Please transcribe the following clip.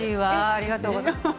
ありがとうございます。